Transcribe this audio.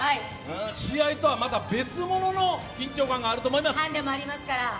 試合とはまた別物の緊張感がありますから。